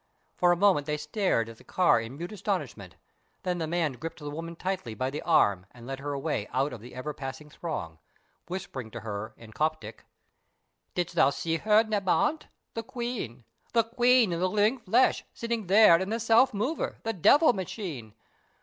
For a moment they stared at the car in mute astonishment; then the man gripped the woman tightly by the arm and led her away out of the ever passing throng, whispering to her in Coptic: "Did'st thou see her, Neb Anat the Queen the Queen in the living flesh sitting there in the self mover, the devil machine?